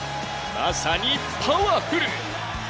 まさにパワフル！